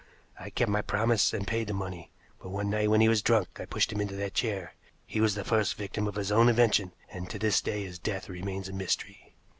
I kept my promise and paid the money, but one night when he was drunk, I pushed him into that chair. He was the first victim of his own invention, and to this day his death remains a mystery."